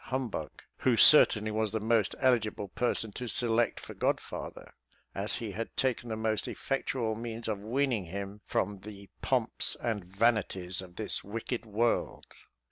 Humbug_; who certainly was the most eligible person to select for god father, as he had taken the most effectual means of weaning him from "the pomps and vanities of this wicked world."